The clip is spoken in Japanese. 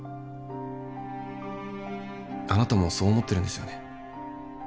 あなたもそう思ってるんですよね？